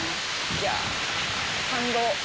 いや、感動。